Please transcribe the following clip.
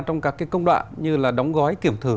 trong các công đoạn như là đóng gói kiểm thử